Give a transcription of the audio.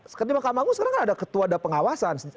sekarang kan ada ketua da pengawasan